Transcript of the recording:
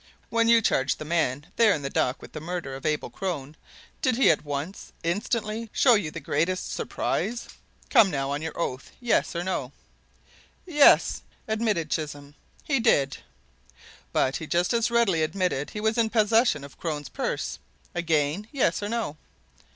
"When you charged the man there in the dock with the murder of Abel Crone, didn't he at once instantly! show the greatest surprise? Come, now, on your oath yes or no?" "Yes!" admitted Chisholm; "he did." "But he just as readily admitted he was in possession of Crone's purse? Again yes or no?"